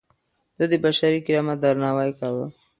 ده د بشري کرامت درناوی کاوه.